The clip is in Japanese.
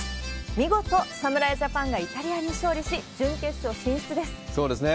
見事、侍ジャパンがイタリアに勝利し、そうですね。